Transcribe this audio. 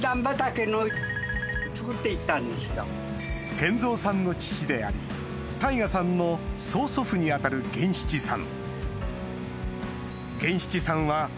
賢三さんの父であり大我さんの曽祖父に当たる源七さん